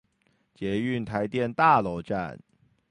捷運臺電大樓站